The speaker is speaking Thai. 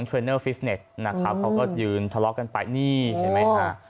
เทรนเนอร์ฟิสเน็ตนะครับเขาก็ยืนทะเลาะกันไปนี่เห็นไหมฮะ